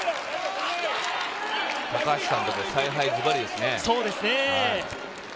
高橋監督、采配ズバリですね。